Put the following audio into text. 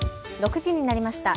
６時になりました。